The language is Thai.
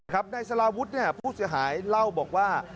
ครับในสารวุฒิภาราผู้เสียหายเล่าบอกว่า